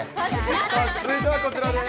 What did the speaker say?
続いてはこちらです。